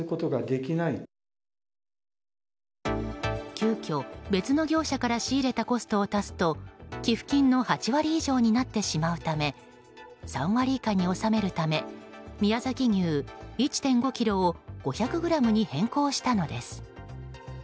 急きょ、別の業者から仕入れたコストを足すと寄付金の８割以上になってしまうため３割以下に収めるため宮崎牛１．５ｋｇを５００ｇに変更したのです。